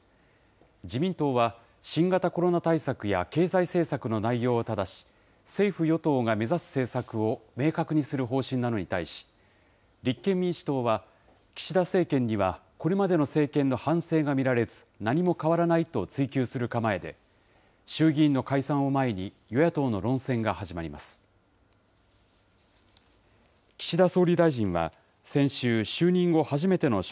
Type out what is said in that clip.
自民党は、新型コロナ対策や経済政策の内容をただし、政府・与党が目指す政策を明確にする方針なのに対し、立憲民主党は、岸田政権にはこれまでの政権の反省が見られず、何も変わらないと追及する構えで、衆議院の解散を前に、与野党の論戦が始まります。